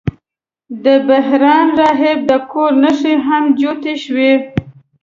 د بحیرا راهب د کور نښې هم جوتې شوې.